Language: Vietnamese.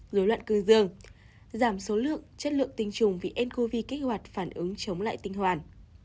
dối loạn cương dương giảm số lượng chất lượng tinh trùng vì ncov kích hoạt phản ứng chống lại tinh hoàn